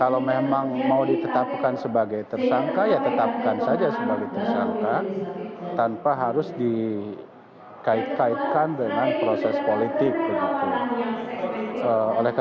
nah seharusnya kita berharap bahwa